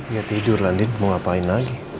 ya tidur lah din mau ngapain lagi